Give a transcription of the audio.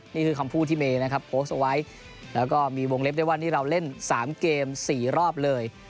นี่คือคำพูดที่เมย์นะครับโพสต์เอาไว้แล้วก็มีวงเล็บได้ว่านี่เราเล่น๓เกม๔รอบเลย